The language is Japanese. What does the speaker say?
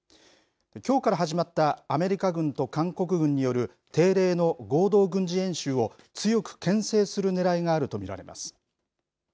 きょうから始まったアメリカ軍と韓国軍による定例の合同軍事演習を強くけん制するねらいがあると見られます。